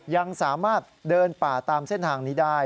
ยังสามารถเดินป่าตามเส้นทางนี้ได้